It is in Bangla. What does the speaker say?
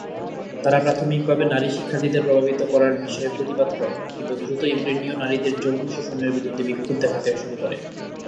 তারা প্রাথমিকভাবে নারী শিক্ষার্থীদের প্রভাবিত করার বিষয়ে প্রতিবাদ করে, কিন্তু দ্রুত ইউক্রেনীয় নারীদের যৌন শোষণের বিরুদ্ধে বিক্ষোভ দেখাতে শুরু করে।